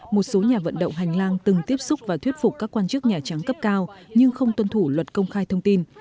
một số nhà vận động hành lang từng tiếp xúc và thuyết phục các quan chức nhà trắng cấp cao nhưng không tuân thủ luật công khai thông tin